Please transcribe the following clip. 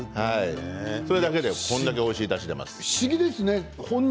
それだけでこれだけおいしいだしが出ます。